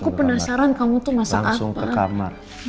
aku penasaran kamu tuh masa apa